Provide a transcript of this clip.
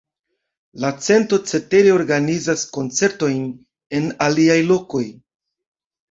La centro cetere organizas koncertojn en aliaj lokoj.